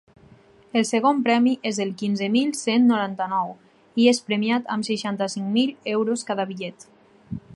El segon premi és el quinze mil cent noranta-nou, i és premiat amb seixanta-cinc mil euros cada bitllet.